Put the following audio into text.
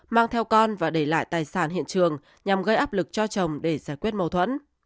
mang theo con và để lại tài sản hiện trường nhằm gây áp lực cho chồng để giải quyết mâu thuẫn